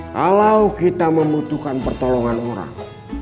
kalau kita membutuhkan pertolongan orang